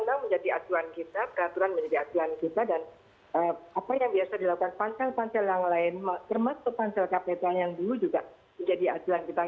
termasuk pansel kptl yang dulu juga menjadi aturan kita